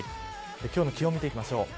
今日の気温を見ていきましょう。